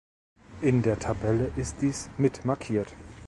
In der Tabelle ist dies mit markiert.